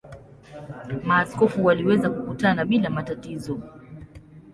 Maaskofu waliweza kukutana bila matatizo.